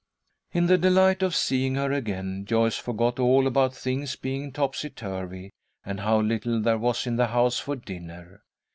In the delight of seeing her again, Joyce forgot all about things being topsyturvy, and how little there was in the house for dinner.